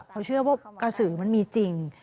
เขาเชื่อว่ากระสือมันมีจริง